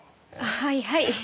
はいはい。